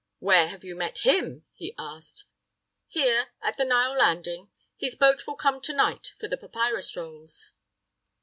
"Where have you met him?" he asked. "Here, at the Nile landing. His boat will come to night for the papyrus rolls."